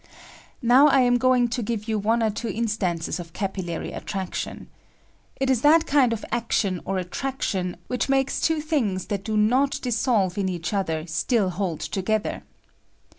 Now I am going to give you one or two instances of capillary attraction. It is that kind of action or attrac ' tion which makes two things that do not dis solve in each other still hold together.